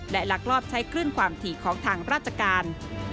และลักลอบใช้คลื่นความถี่ของทางราชการ